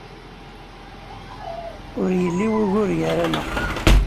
Ur yelli wugur gar-aɣ.